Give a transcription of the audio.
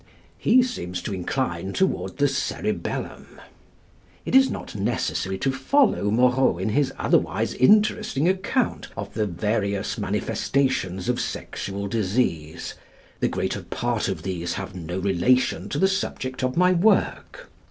He seems to incline toward the cerebellum. It is not necessary to follow Moreau in his otherwise interesting account of the various manifestations of sexual disease. The greater part of these have no relation to the subject of my work.